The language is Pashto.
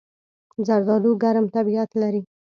زردالو ګرم طبیعت لري.